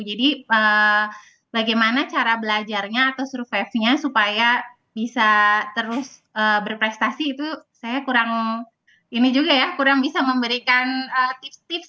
jadi bagaimana cara belajarnya atau survivalnya supaya bisa terus berprestasi itu saya kurang ini juga ya kurang bisa memberikan tips tips